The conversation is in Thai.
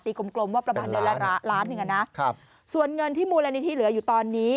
กลมกลมว่าประมาณเดือนละล้านหนึ่งอ่ะนะครับส่วนเงินที่มูลนิธิเหลืออยู่ตอนนี้